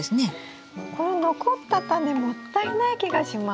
この残ったタネもったいない気がします。